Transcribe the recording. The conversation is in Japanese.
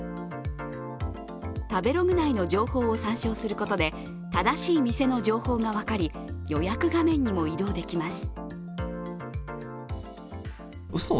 食べログ内の情報を参照することで正しい店の情報が分かり予約画面にも移動できます。